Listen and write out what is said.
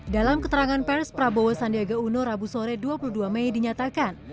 dalam keterangan pers prabowo sandiaga uno rabu sore dua puluh dua mei dinyatakan